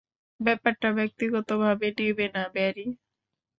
ব্যাপারটা ব্যক্তিগতভাবে নেবে না, ব্যারি।